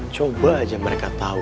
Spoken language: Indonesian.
coba aja mereka tau